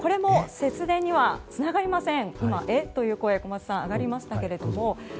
節電にはつながりません。